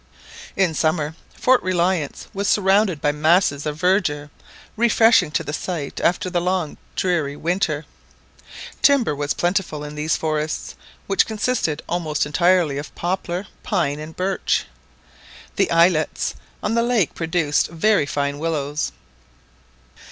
In summer Fort Reliance was surrounded with masses of verdure, refreshing to the sight after the long dreary winter. Timber was plentiful in these forests, which consisted almost entirely of poplar, pine, and birch. The islets on the lake produced very fine willows.